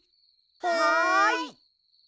はい。